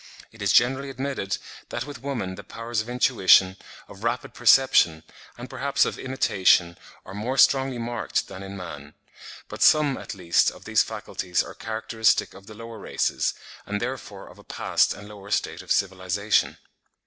It is generally admitted that with woman the powers of intuition, of rapid perception, and perhaps of imitation, are more strongly marked than in man; but some, at least, of these faculties are characteristic of the lower races, and therefore of a past and lower state of civilisation.